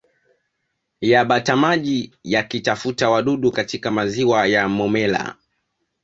ya batamaji yakitafuta wadudu katika maziwa ya Momella